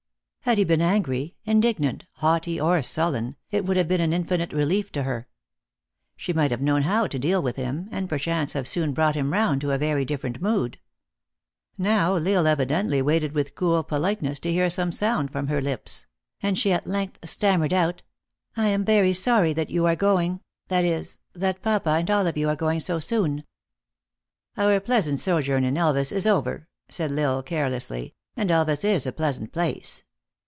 Had he been angry, indignant, haughty, or sullen, it would have been an infinite relief to her. She might have known how to deal with him, and per chance have soon brought him round to a very differ ent mood. Now L lsle evidently waited with cool politeness to hear some sound from her lips ; and she at length stammered out, "I am very sorry that you are going that is, that papa and all of you are going so soon." " Our pleasant sojourn in Elvas is over !" said L lsle, carelessly, "and Elvas is a pleasant place.